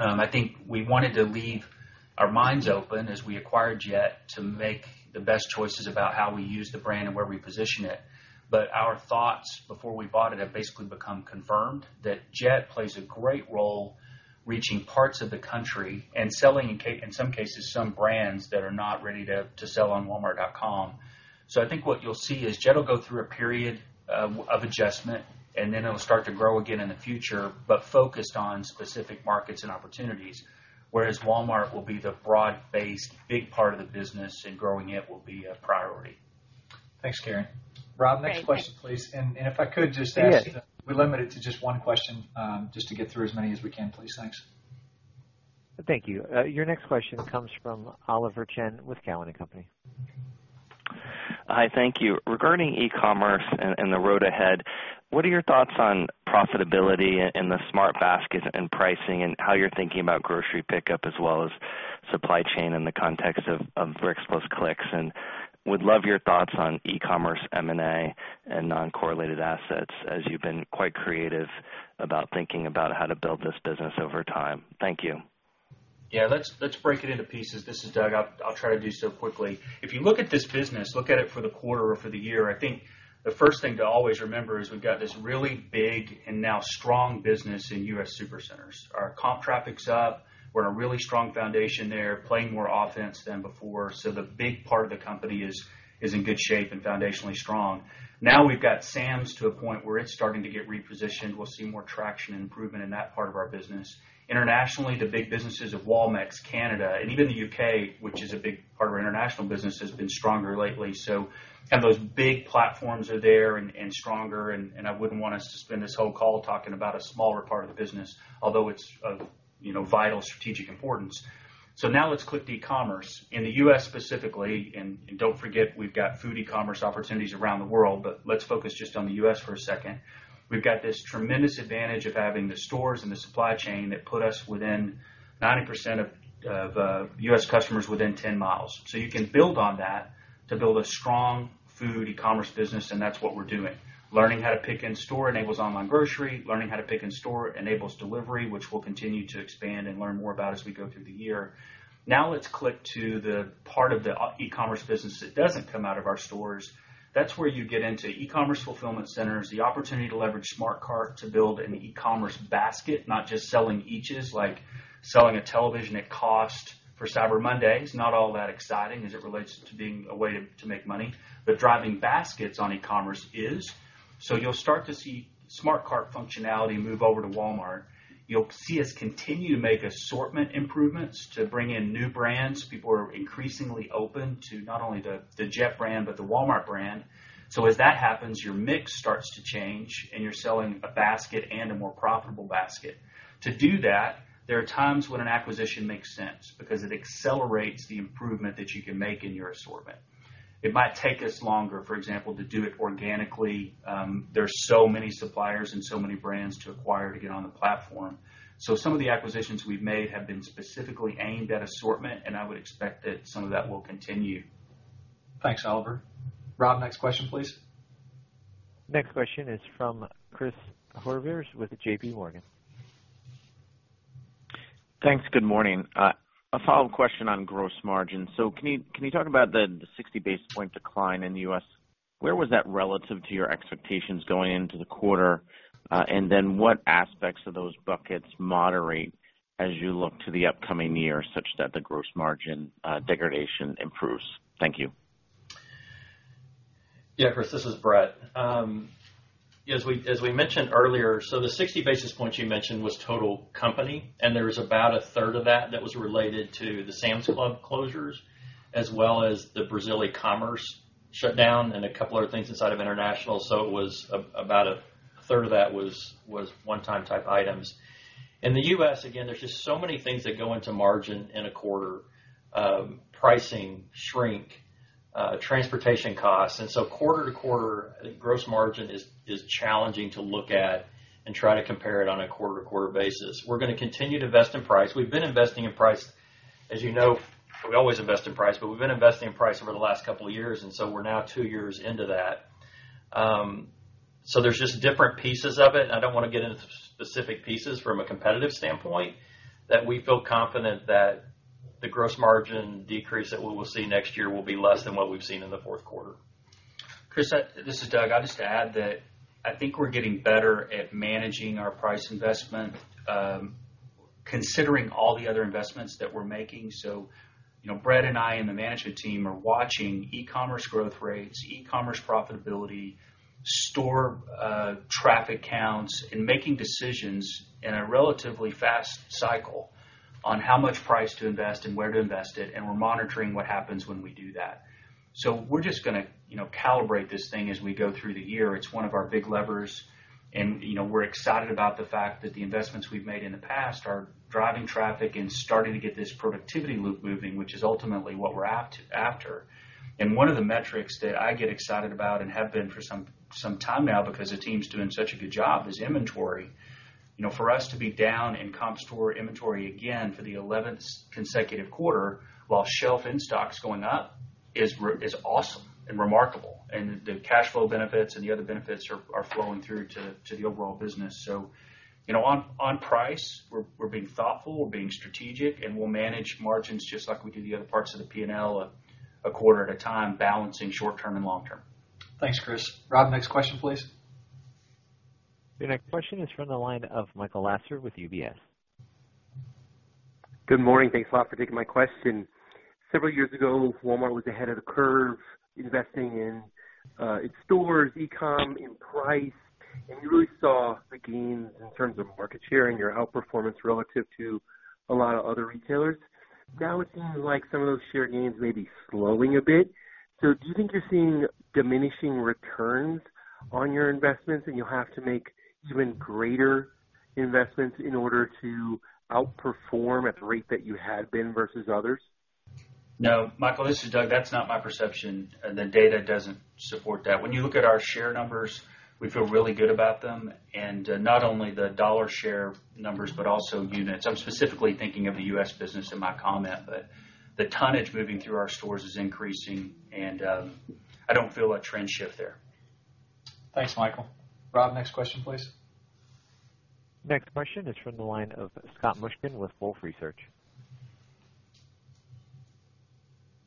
I think we wanted to leave our minds open as we acquired Jet.com to make the best choices about how we use the brand and where we position it. Our thoughts before we bought it have basically become confirmed that Jet.com plays a great role reaching parts of the country and selling, in some cases, some brands that are not ready to sell on walmart.com. I think what you'll see is Jet.com will go through a period of adjustment and then it'll start to grow again in the future, but focused on specific markets and opportunities. Whereas Walmart will be the broad-based, big part of the business and growing it will be a priority. Thanks, Karen. Rob, next question, please. If I could just ask that we limit it to just one question, just to get through as many as we can, please. Thanks. Thank you. Your next question comes from Oliver Chen with Cowen and Company. Hi, thank you. Regarding e-commerce and the road ahead, what are your thoughts on profitability and the Smart Cart and pricing and how you're thinking about grocery pickup as well as supply chain in the context of bricks plus clicks? Would love your thoughts on e-commerce, M&A, and non-correlated assets as you've been quite creative about thinking about how to build this business over time. Thank you. Let's break it into pieces. This is Doug. I'll try to do so quickly. If you look at this business, look at it for the quarter or for the year, I think the first thing to always remember is we've got this really big and now strong business in U.S. supercenters. Our comp traffic's up. We're in a really strong foundation there, playing more offense than before. The big part of the company is in good shape and foundationally strong. Now we've got Sam's to a point where it's starting to get repositioned. We'll see more traction and improvement in that part of our business. Internationally, the big businesses of Walmex, Canada, and even the U.K., which is a big part of our international business, has been stronger lately. Kind of those big platforms are there and stronger, and I wouldn't want us to spend this whole call talking about a smaller part of the business, although it's of vital strategic importance. Now let's click to e-commerce. In the U.S. specifically, and don't forget, we've got food e-commerce opportunities around the world, but let's focus just on the U.S. for a second. We've got this tremendous advantage of having the stores and the supply chain that put us within 90% of U.S. customers within 10 miles. You can build on that to build a strong food e-commerce business, and that's what we're doing. Learning how to pick in store enables online grocery. Learning how to pick in store enables delivery, which we'll continue to expand and learn more about as we go through the year. Now let's click to the part of the e-commerce business that doesn't come out of our stores. That's where you get into e-commerce fulfillment centers, the opportunity to leverage Smart Cart to build an e-commerce basket, not just selling each's like selling a television at cost for Cyber Monday is not all that exciting as it relates to being a way to make money. Driving baskets on e-commerce is. You'll start to see Smart Cart functionality move over to Walmart. You'll see us continue to make assortment improvements to bring in new brands. People are increasingly open to not only the jet.com brand, but the Walmart brand. As that happens, your mix starts to change and you're selling a basket and a more profitable basket. To do that, there are times when an acquisition makes sense because it accelerates the improvement that you can make in your assortment. It might take us longer, for example, to do it organically. There's so many suppliers and so many brands to acquire to get on the platform. Some of the acquisitions we've made have been specifically aimed at assortment, and I would expect that some of that will continue. Thanks, Oliver. Rob, next question, please. Next question is from Chris Horvers with JP Morgan. Thanks. Good morning. A follow-up question on gross margin. Can you talk about the 60 basis point decline in the U.S.? Where was that relative to your expectations going into the quarter? What aspects of those buckets moderate as you look to the upcoming year such that the gross margin degradation improves? Thank you. Yeah, Chris, this is Brett. As we mentioned earlier, the 60 basis points you mentioned was total company, and there was about a third of that was related to the Sam's Club closures, as well as the Brazil e-commerce shutdown and a couple other things inside of international. It was about a third of that was one-time type items. In the U.S., again, there's just so many things that go into margin in a quarter. Pricing, shrink, transportation costs. Quarter-to-quarter gross margin is challenging to look at and try to compare it on a quarter-to-quarter basis. We're going to continue to invest in price. We've been investing in price. As you know, we always invest in price, but we've been investing in price over the last couple of years, and we're now two years into that. There's just different pieces of it, and I don't want to get into specific pieces from a competitive standpoint, that we feel confident that the gross margin decrease that we will see next year will be less than what we've seen in the fourth quarter. Chris, this is Doug. I just add that I think we're getting better at managing our price investment, considering all the other investments that we're making. Brett and I and the management team are watching e-commerce growth rates, e-commerce profitability, store traffic counts, and making decisions in a relatively fast cycle on how much price to invest and where to invest it, and we're monitoring what happens when we do that. We're just going to calibrate this thing as we go through the year. It's one of our big levers. We're excited about the fact that the investments we've made in the past are driving traffic and starting to get this productivity loop moving, which is ultimately what we're after. One of the metrics that I get excited about and have been for some time now, because the team's doing such a good job, is inventory. For us to be down in comp store inventory again for the 11th consecutive quarter while shelf in-stock is going up is awesome and remarkable. The cash flow benefits and the other benefits are flowing through to the overall business. On price, we're being thoughtful, we're being strategic, and we'll manage margins just like we do the other parts of the P&L a quarter at a time, balancing short-term and long-term. Thanks, Chris. Rob, next question, please. Your next question is from the line of Michael Lasser with UBS. Good morning. Thanks a lot for taking my question. Several years ago, Walmart was ahead of the curve investing in its stores, e-comm in price, and you really saw the gains in terms of market share and your outperformance relative to a lot of other retailers. Do you think you're seeing diminishing returns on your investments and you'll have to make even greater investments in order to outperform at the rate that you had been versus others? No, Michael, this is Doug. That's not my perception. The data doesn't support that. When you look at our share numbers, we feel really good about them. Not only the dollar share numbers, but also units. I'm specifically thinking of the U.S. business in my comment, but the tonnage moving through our stores is increasing. I don't feel a trend shift there. Thanks, Michael. Rob, next question, please. Next question is from the line of Scott Mushkin with Wolfe Research.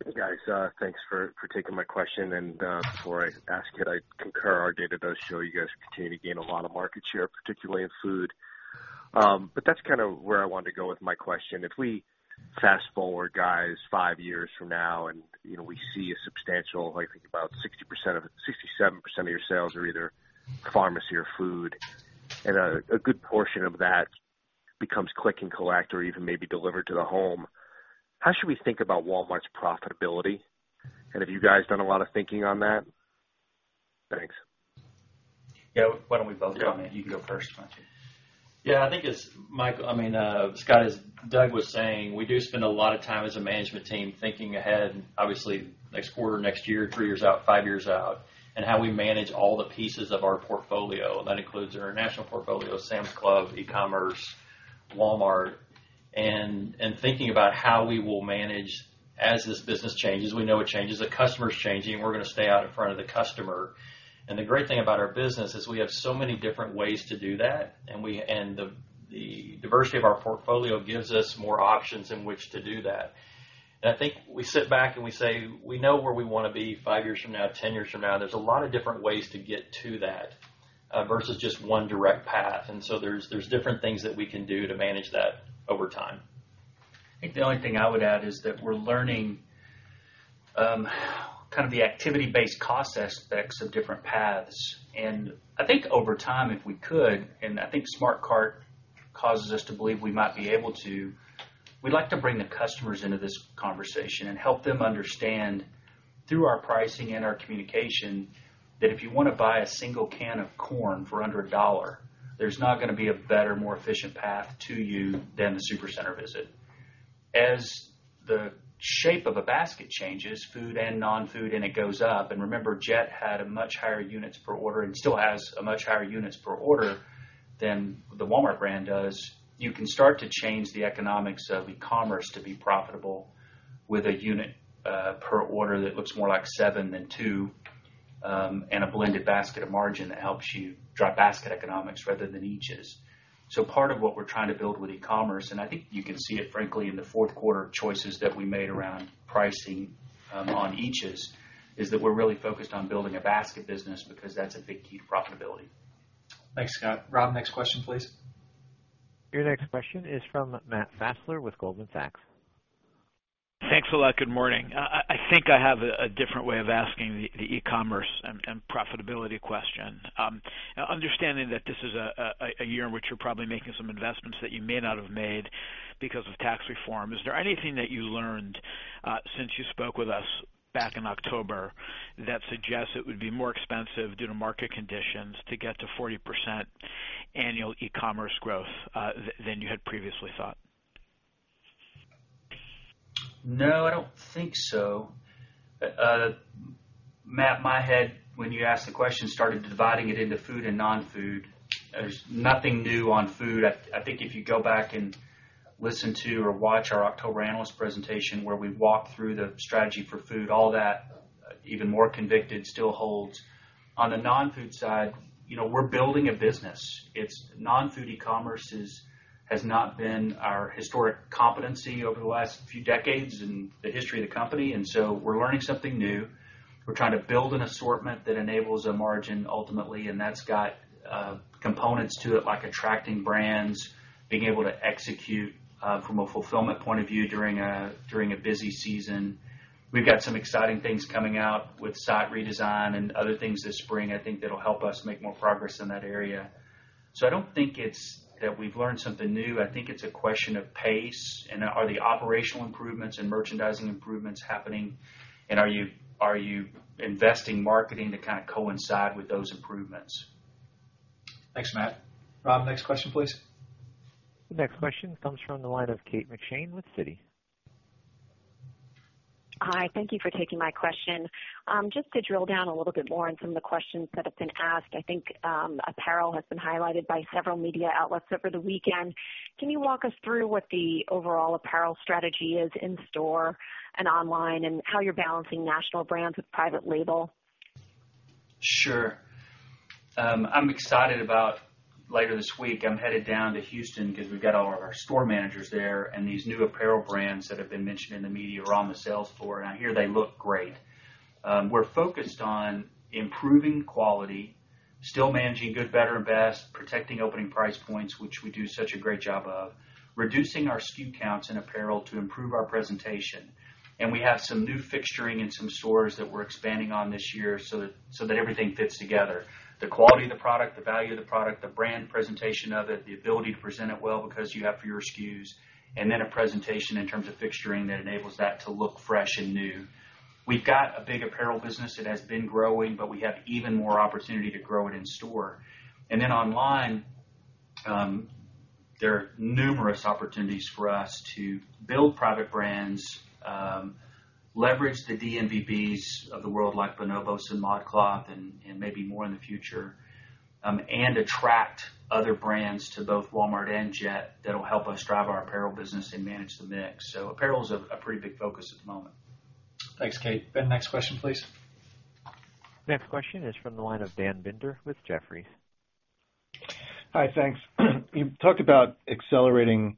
Hey, guys. Thanks for taking my question. Before I ask it, I concur our data does show you guys continue to gain a lot of market share, particularly in food. That's kind of where I wanted to go with my question. If we fast-forward, guys, five years from now and we see a substantial, I think about 67% of your sales are either pharmacy or food, and a good portion of that becomes click and collect or even may be delivered to the home. How should we think about Walmart's profitability? Have you guys done a lot of thinking on that? Thanks. Yeah, why don't we both comment? You can go first, Mike. Yeah, I think it's, Scott, as Doug was saying, we do spend a lot of time as a management team thinking ahead, obviously next quarter, next year, three years out, five years out, and how we manage all the pieces of our portfolio. That includes our international portfolio, Sam's Club, e-commerce, Walmart, and thinking about how we will manage as this business changes. We know it changes. The customer's changing. We're going to stay out in front of the customer. The great thing about our business is we have so many different ways to do that, and the diversity of our portfolio gives us more options in which to do that. I think we sit back and we say, we know where we want to be five years from now, 10 years from now. There's a lot of different ways to get to that versus just one direct path. There's different things that we can do to manage that over time. I think the only thing I would add is that we're learning kind of the activity-based cost aspects of different paths. I think over time, if we could, and I think Smart Cart causes us to believe we might be able to, we'd like to bring the customers into this conversation and help them understand through our pricing and our communication, that if you want to buy a single can of corn for under $1, there's not going to be a better, more efficient path to you than the Supercenter visit. As the shape of a basket changes, food and non-food, it goes up. Remember, Jet.com had a much higher units per order and still has a much higher units per order than the Walmart brand does. You can start to change the economics of e-commerce to be profitable with a unit per order that looks more like seven than two, and a blended basket of margin that helps you drive basket economics rather than eaches. Part of what we're trying to build with e-commerce, and I think you can see it frankly in the fourth quarter choices that we made around pricing on eaches, is that we're really focused on building a basket business because that's a big key to profitability. Thanks, Scott. Rob, next question, please. Your next question is from Matt Fassler with Goldman Sachs. Thanks a lot. Good morning. I think I have a different way of asking the e-commerce and profitability question. Understanding that this is a year in which you're probably making some investments that you may not have made because of tax reform. Is there anything that you learned since you spoke with us back in October that suggests it would be more expensive due to market conditions to get to 40% annual e-commerce growth than you had previously thought? No, I don't think so. Matt, my head, when you asked the question, started dividing it into food and non-food. There's nothing new on food. I think if you go back and listen to or watch our October analyst presentation, where we walked through the strategy for food, all that, even more convicted, still holds. On the non-food side, we're building a business. Non-food e-commerce has not been our historic competency over the last few decades in the history of the company. We're learning something new. We're trying to build an assortment that enables a margin ultimately, and that's got components to it, like attracting brands, being able to execute from a fulfillment point of view during a busy season. We've got some exciting things coming out with site redesign and other things this spring, I think that'll help us make more progress in that area. I don't think that we've learned something new. I think it's a question of pace and are the operational improvements and merchandising improvements happening, and are you investing marketing to kind of coincide with those improvements? Thanks, Matt. Rob, next question, please. The next question comes from the line of Kate McShane with Citi. Hi. Thank you for taking my question. Just to drill down a little bit more on some of the questions that have been asked, I think apparel has been highlighted by several media outlets over the weekend. Can you walk us through what the overall apparel strategy is in store and online, and how you're balancing national brands with private label? Sure. I'm excited about later this week, I'm headed down to Houston because we've got all of our store managers there and these new apparel brands that have been mentioned in the media are on the sales floor, and I hear they look great. We're focused on improving quality, still managing good, better, and best, protecting opening price points, which we do such a great job of, reducing our SKUs counts in apparel to improve our presentation. We have some new fixturing in some stores that we're expanding on this year so that everything fits together. The quality of the product, the value of the product, the brand presentation of it, the ability to present it well because you have fewer SKUs, then a presentation in terms of fixturing that enables that to look fresh and new. We've got a big apparel business that has been growing, we have even more opportunity to grow it in store. Online, there are numerous opportunities for us to build private brands, leverage the DNVBs of the world like Bonobos and ModCloth and maybe more in the future, attract other brands to both Walmart and Jet.com that'll help us drive our apparel business and manage the mix. Apparel is a pretty big focus at the moment. Thanks, Kate. Ben, next question, please. Next question is from the line of Dan Binder with Jefferies. Hi, thanks. You talked about accelerating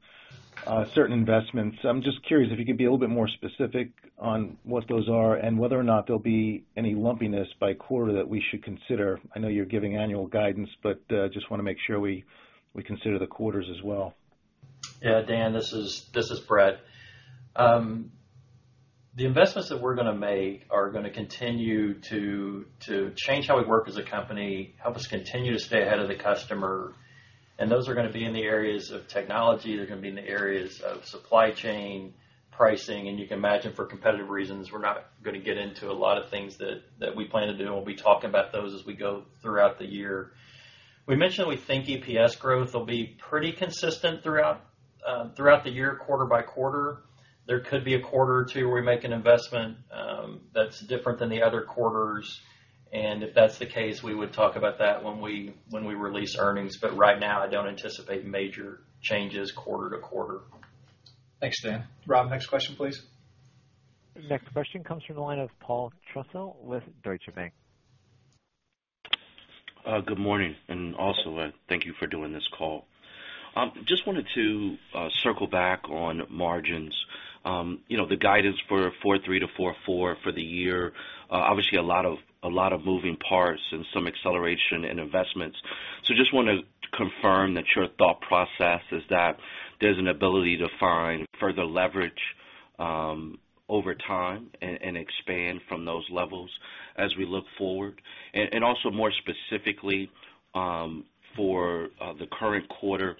certain investments. I'm just curious if you could be a little bit more specific on what those are and whether or not there'll be any lumpiness by quarter that we should consider. I know you're giving annual guidance, just want to make sure we consider the quarters as well. Yeah. Dan, this is Brett. The investments that we're going to make are going to continue to change how we work as a company, help us continue to stay ahead of the customer, those are going to be in the areas of technology. They're going to be in the areas of supply chain, pricing, you can imagine for competitive reasons, we're not going to get into a lot of things that we plan to do, we'll be talking about those as we go throughout the year. We mentioned that we think EPS growth will be pretty consistent throughout the year, quarter by quarter. There could be a quarter or two where we make an investment that's different than the other quarters, if that's the case, we would talk about that when we release earnings. Right now, I don't anticipate major changes quarter to quarter. Thanks, Dan. Rob, next question, please. Next question comes from the line of Paul Trussell with Deutsche Bank. Good morning, and also thank you for doing this call. Just wanted to circle back on margins. The guidance for 43%-44% for the year, obviously a lot of moving parts and some acceleration in investments. Just want to confirm that your thought process is that there's an ability to find further leverage over time and expand from those levels as we look forward. Also more specifically, for the current quarter,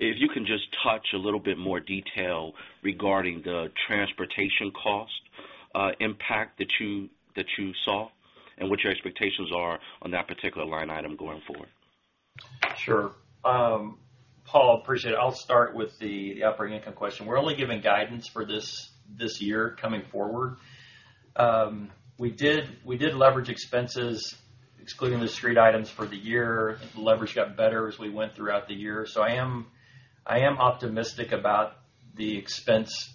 if you can just touch a little bit more detail regarding the transportation cost impact that you saw and what your expectations are on that particular line item going forward. Sure. Paul, appreciate it. I'll start with the operating income question. We're only giving guidance for this year coming forward. We did leverage expenses, excluding the street items for the year. Leverage got better as we went throughout the year. I am optimistic about the expense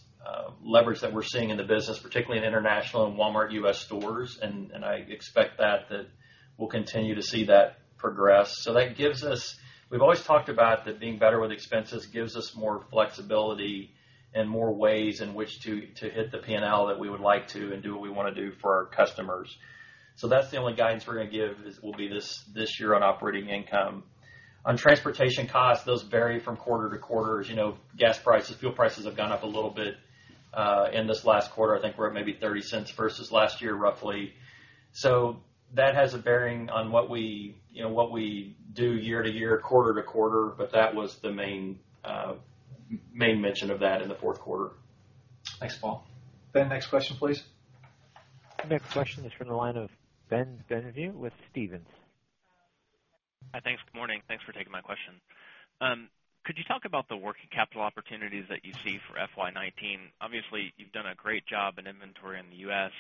leverage that we're seeing in the business, particularly in international and Walmart U.S. stores, and I expect that we'll continue to see that progress. We've always talked about that being better with expenses gives us more flexibility and more ways in which to hit the P&L that we would like to and do what we want to do for our customers. That's the only guidance we're going to give will be this year on operating income. On transportation costs, those vary from quarter to quarter. Gas prices, fuel prices have gone up a little bit. In this last quarter, I think we're at maybe $0.30 versus last year, roughly. That has a bearing on what we do year to year, quarter to quarter. That was the main mention of that in the fourth quarter. Thanks, Paul. Ben, next question, please. Next question is from the line of Ben Bienvenu with Stephens. Hi, thanks. Good morning. Thanks for taking my question. Could you talk about the working capital opportunities that you see for FY 2019? Obviously, you've done a great job in inventory in the U.S.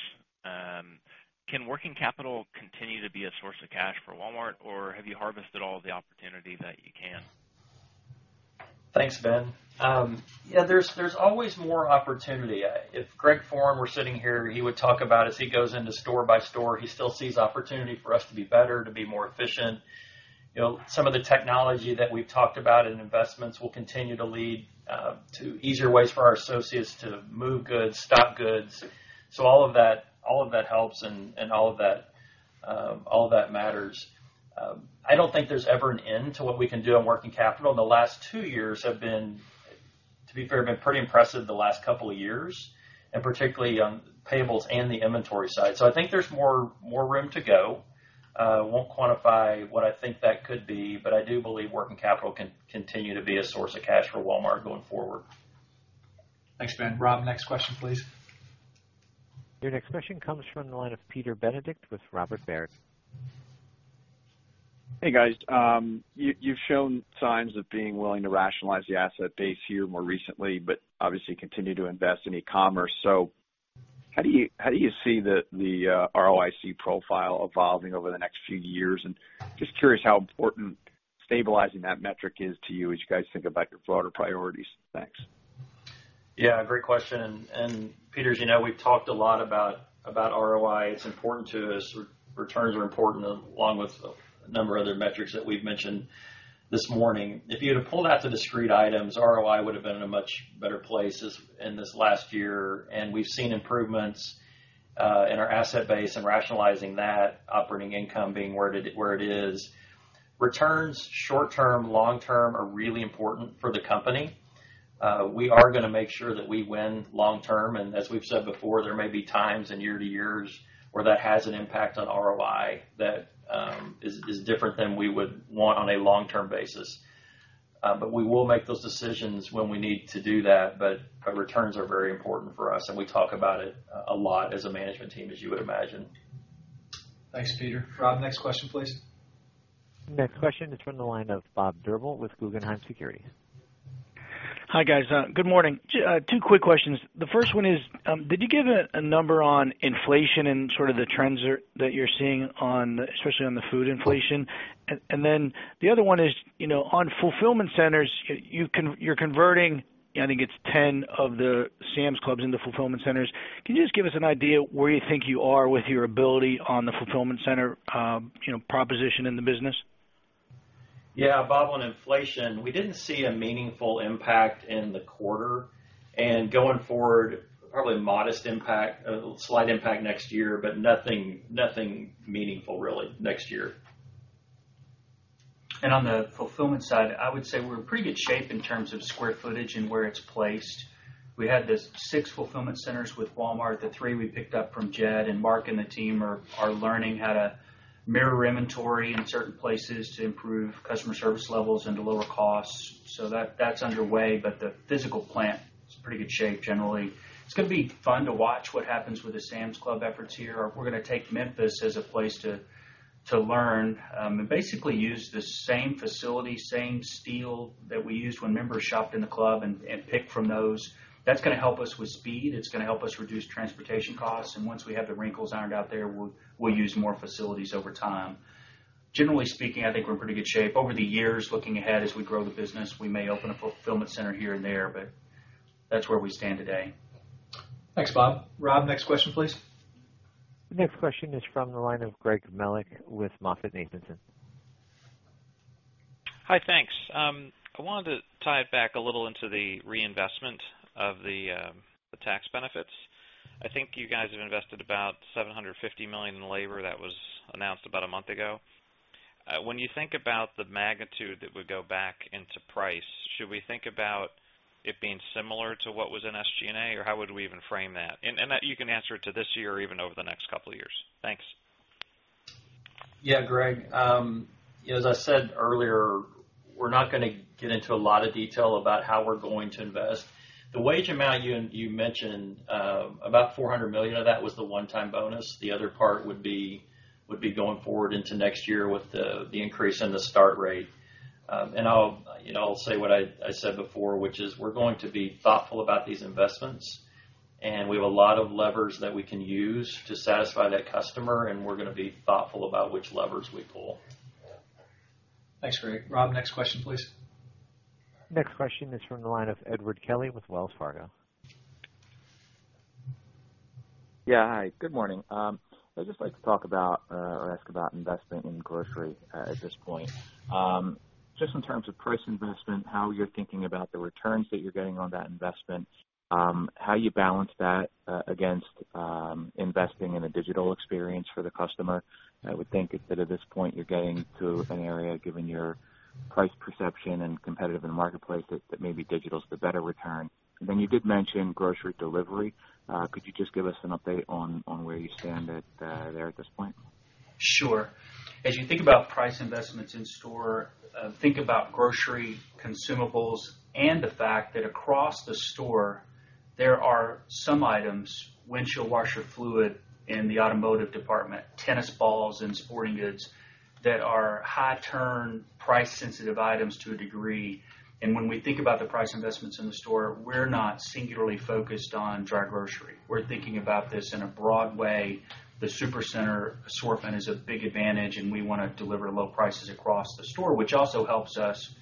Can working capital continue to be a source of cash for Walmart, or have you harvested all the opportunity that you can? Thanks, Ben. Yeah, there's always more opportunity. If Greg Foran were sitting here, he would talk about as he goes into store by store, he still sees opportunity for us to be better, to be more efficient. Some of the technology that we've talked about in investments will continue to lead to easier ways for our associates to move goods, stock goods. All of that helps, and all of that matters. I don't think there's ever an end to what we can do on working capital, and the last two years have been, to be fair, been pretty impressive the last couple of years, and particularly on payables and the inventory side. I think there's more room to go. I won't quantify what I think that could be. I do believe working capital can continue to be a source of cash for Walmart going forward. Thanks, Ben. Rob, next question, please. Your next question comes from the line of Peter Benedict with Robert W. Baird. Hey, guys. You've shown signs of being willing to rationalize the asset base here more recently, but obviously continue to invest in e-commerce. How do you see the ROIC profile evolving over the next few years? Just curious how important stabilizing that metric is to you as you guys think about your broader priorities. Thanks. Yeah, great question. Peter, as you know, we've talked a lot about ROI. It's important to us. Returns are important, along with a number of other metrics that we've mentioned this morning. If you'd have pulled out the discrete items, ROI would've been in a much better place in this last year. We've seen improvements, in our asset base and rationalizing that operating income being where it is. Returns, short-term, long-term, are really important for the company. We are going to make sure that we win long term, and as we've said before, there may be times in year to years where that has an impact on ROI that is different than we would want on a long-term basis. We will make those decisions when we need to do that, our returns are very important for us, and we talk about it a lot as a management team, as you would imagine. Thanks, Peter. Bob, next question, please. Next question is from the line of Bob Drbul with Guggenheim Securities. Hi, guys. Good morning. Two quick questions. The first one is, did you give a number on inflation and sort of the trends that you're seeing especially on the food inflation? The other one is, on fulfillment centers, you're converting, I think it's 10 of the Sam's Clubs into fulfillment centers. Can you just give us an idea where you think you are with your ability on the fulfillment center proposition in the business? Bob, on inflation, we didn't see a meaningful impact in the quarter. Going forward, probably modest impact, a slight impact next year, but nothing meaningful really next year. On the fulfillment side, I would say we're in pretty good shape in terms of square footage and where it's placed. We had the six fulfillment centers with Walmart, the three we picked up from Jet and Marc and the team are learning how to mirror inventory in certain places to improve customer service levels and to lower costs. That's underway, but the physical plant is in pretty good shape generally. It's going to be fun to watch what happens with the Sam's Club efforts here. We're going to take Memphis as a place to learn, and basically use the same facility, same steel that we used when members shopped in the club and pick from those. That's going to help us with speed. It's going to help us reduce transportation costs. Once we have the wrinkles ironed out there, we'll use more facilities over time. Generally speaking, I think we're in pretty good shape. Over the years, looking ahead as we grow the business, we may open a fulfillment center here and there, but that's where we stand today. Thanks, Bob. Rob, next question, please. Next question is from the line of Greg Melich with MoffettNathanson. Hi, thanks. I wanted to tie it back a little into the reinvestment of the tax benefits. I think you guys have invested about $750 million in labor. That was announced about a month ago. When you think about the magnitude that would go back into price, should we think about it being similar to what was in SG&A, or how would we even frame that? That you can answer to this year or even over the next couple of years. Thanks. Yeah, Greg. As I said earlier, we're not going to get into a lot of detail about how we're going to invest. The wage amount you mentioned, about $400 million of that was the one-time bonus. The other part would be going forward into next year with the increase in the start rate. I'll say what I said before, which is we're going to be thoughtful about these investments, and we have a lot of levers that we can use to satisfy that customer, and we're going to be thoughtful about which levers we pull. Thanks, Greg. Rob, next question, please. Next question is from the line of Edward Kelly with Wells Fargo. Yeah. Hi, good morning. I'd just like to talk about, or ask about investment in grocery at this point. Just in terms of price investment, how you're thinking about the returns that you're getting on that investment, how you balance that against investing in a digital experience for the customer. I would think that at this point you're getting to an area, given your price perception and competitive in the marketplace, that maybe digital's the better return. Then you did mention grocery delivery. Could you just give us an update on where you stand at there at this point? Sure. As you think about price investments in store, think about grocery consumables and the fact that across the store, there are some items, windshield washer fluid in the automotive department, tennis balls in sporting goods, that are high turn, price sensitive items to a degree. When we think about the price investments in the store, we're not singularly focused on dry grocery. We're thinking about this in a broad way. The Supercenter assortment is a big advantage, and we want to deliver low prices across the store, which also helps us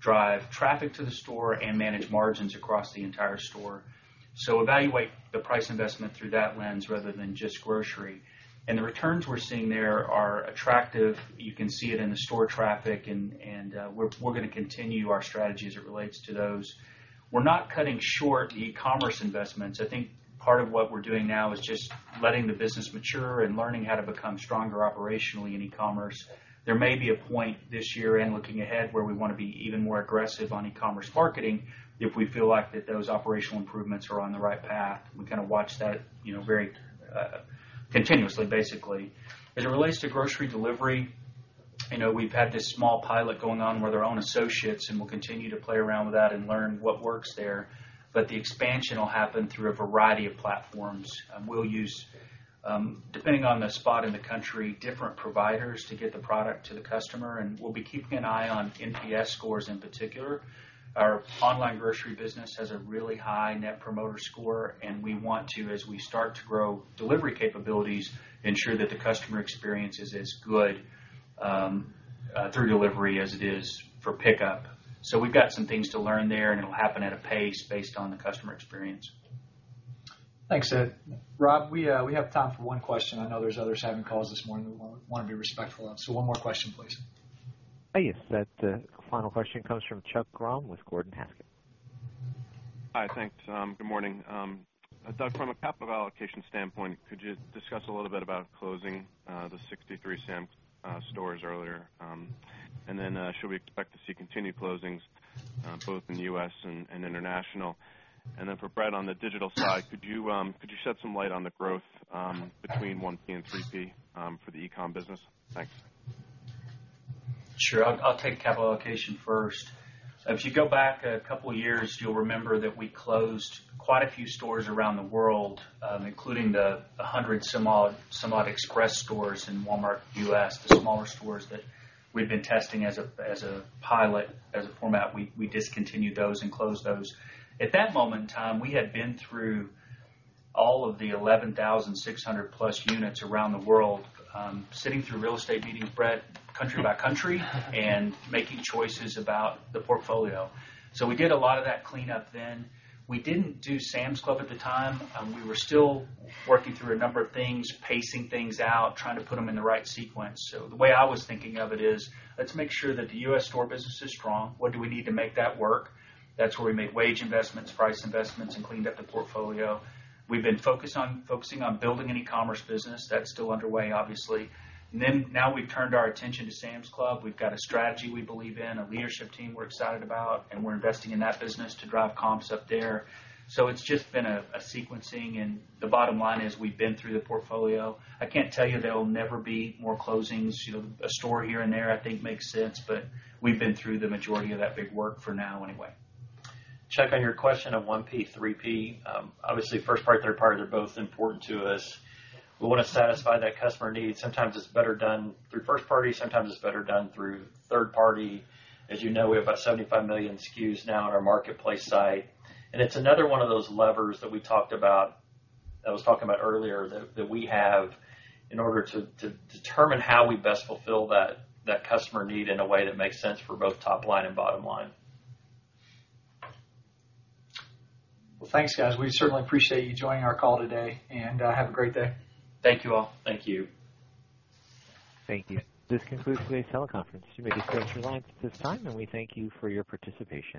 Drive traffic to the store and manage margins across the entire store. Evaluate the price investment through that lens rather than just grocery. The returns we're seeing there are attractive. You can see it in the store traffic, and we're going to continue our strategy as it relates to those. We're not cutting short e-commerce investments. I think part of what we're doing now is just letting the business mature and learning how to become stronger operationally in e-commerce. There may be a point this year and looking ahead, where we want to be even more aggressive on e-commerce marketing if we feel like that those operational improvements are on the right path. We're going to watch that very continuously, basically. As it relates to grocery delivery, we've had this small pilot going on with our own associates, and we'll continue to play around with that and learn what works there. The expansion will happen through a variety of platforms. We'll use, depending on the spot in the country, different providers to get the product to the customer, and we'll be keeping an eye on NPS scores in particular. Our online grocery business has a really high net promoter score. We want to, as we start to grow delivery capabilities, ensure that the customer experience is as good through delivery as it is for pickup. We've got some things to learn there, and it'll happen at a pace based on the customer experience. Thanks, Edward. Rob, we have time for one question. I know there's others having calls this morning that we want to be respectful of. One more question, please. Yes. That final question comes from Chuck Grom with Gordon Haskett. Hi, thanks. Good morning. Doug, from a capital allocation standpoint, could you discuss a little bit about closing the 63 Sam's stores earlier? Should we expect to see continued closings both in the U.S. and international? For Brett, on the digital side, could you shed some light on the growth between 1P and 3P for the e-com business? Thanks. Sure. I'll take capital allocation first. If you go back a couple of years, you'll remember that we closed quite a few stores around the world, including the 100 some odd express stores in Walmart U.S., the smaller stores that we've been testing as a pilot, as a format. We discontinued those and closed those. At that moment in time, we had been through all of the 11,600 plus units around the world, sitting through real estate meetings, Brett, country by country, and making choices about the portfolio. We did a lot of that cleanup then. We didn't do Sam's Club at the time. We were still working through a number of things, pacing things out, trying to put them in the right sequence. The way I was thinking of it is, let's make sure that the U.S. store business is strong. What do we need to make that work? That's where we made wage investments, price investments, and cleaned up the portfolio. We've been focusing on building an e-commerce business. That's still underway, obviously. Now we've turned our attention to Sam's Club. We've got a strategy we believe in, a leadership team we're excited about, and we're investing in that business to drive comps up there. It's just been a sequencing, and the bottom line is we've been through the portfolio. I can't tell you there will never be more closings. A store here and there, I think, makes sense, but we've been through the majority of that big work for now anyway. Chuck, on your question on 1P, 3P. Obviously, first party, third party, they're both important to us. We want to satisfy that customer need. Sometimes it's better done through first party, sometimes it's better done through third party. As you know, we have about 75 million SKUs now on our marketplace site. It's another one of those levers that I was talking about earlier, that we have in order to determine how we best fulfill that customer need in a way that makes sense for both top line and bottom line. Thanks, guys. We certainly appreciate you joining our call today, and have a great day. Thank you all. Thank you. Thank you. This concludes today's teleconference. You may disconnect your lines at this time. We thank you for your participation.